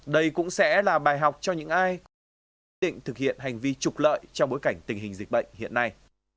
đây cũng sẽ là bài học cho những ai quyết định thực hiện hành vi trục lợi trong bối cảnh tình hình dịch bệnh hiện nay